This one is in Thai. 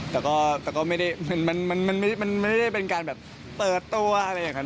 แต่ก็ไม่ได้เป็นการแบบเปิดตัวอะไรอย่างนั้น